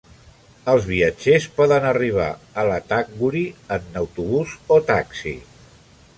Els viatgers poden arribar a Iataqguri en autobús o taxi.